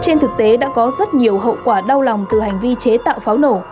trên thực tế đã có rất nhiều hậu quả đau lòng từ hành vi chế tạo pháo nổ